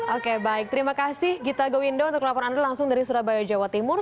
oke baik terima kasih gita gowindo untuk laporan anda langsung dari surabaya jawa timur